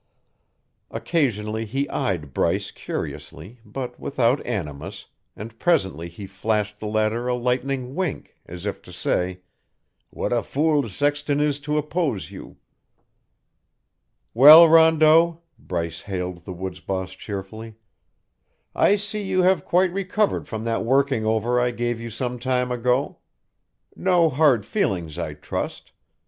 Occasionally he eyed Bryce curiously but without animus, and presently he flashed the latter a lightning wink, as if to say: "What a fool Sexton is to oppose you!" "Well, Rondeau," Bryce hailed the woods boss cheerfully, "I see you have quite recovered from that working over I gave you some time ago. No hard feelings, I trust.